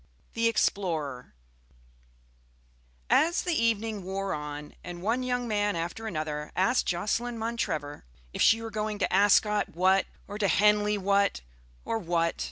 THE EXPLORER As the evening wore on and one young man after another asked Jocelyn Montrevor if she were going to Ascot, what? or to Henley, what? or what?